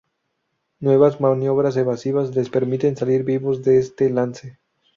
Nuevas maniobras evasivas les permiten salir vivos de este lance.